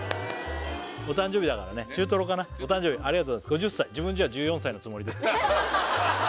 お誕生日だからね中トロかなお誕生日ありがとうございます５０歳自分じゃ１４歳のつもりです